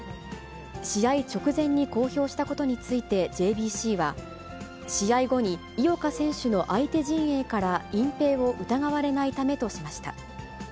試合直前に公表したことについて、ＪＢＣは、試合後に井岡選手の相手陣営から隠蔽を疑われないためとしました。